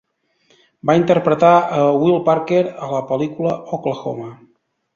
Va interpretar a Will Parker a la pel·lícula Oklahoma!